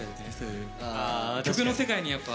曲の世界にやっぱ。